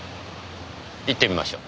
行ってみましょう。